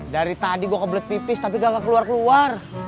dari tadi gue kebelet pipis tapi gak keluar keluar